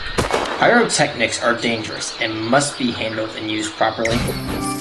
Pyrotechnics are dangerous and must be handled and used properly.